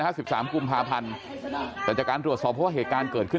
สิบสามกุมภาพันธ์แต่จากการตรวจสอบเพราะว่าเหตุการณ์เกิดขึ้น